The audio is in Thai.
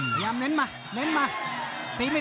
พยายามเน้นมาเน้นมา